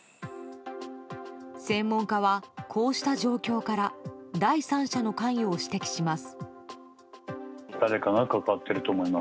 専門家はこうした状況から第三者の関与を指摘します。